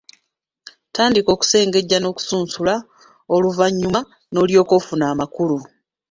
Tandika okusengejja n'okusunsula oluvannyuma n'olyoka ofuna amakulu.